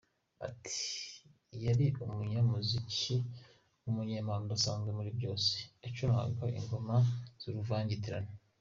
Ati: “Yari umunyamuziki w’umunyempano udasanzwe muri byose, yacurangaga ingoma z’uruvangitirane.